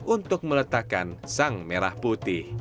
untuk meletakkan sang merah putih